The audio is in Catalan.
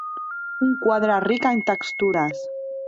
Un quadre ric en textures.